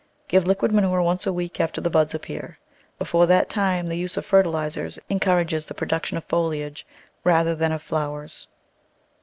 Give liquid manure once a week after the buds appear — before that time the use of fertilisers encourages the produc tion of foliage rather than of flowers.